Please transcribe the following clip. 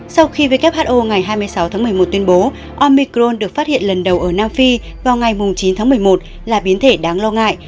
sau khi who ngày hai mươi sáu tháng một mươi một tuyên bố omicron được phát hiện lần đầu ở nam phi vào ngày chín tháng một mươi một là biến thể đáng lo ngại